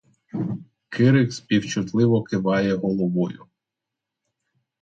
Кирик співчутливо киває головою.